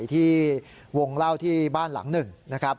ที่วงเล่าที่บ้านหลังหนึ่งนะครับ